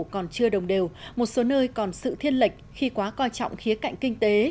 còn chưa đồng đều một số nơi còn sự thiên lệch khi quá coi trọng khía cạnh kinh tế